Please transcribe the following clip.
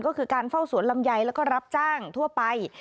ก็คือการเฝ้าสวนลำไยแล้วก็รับจ้างทั่วไป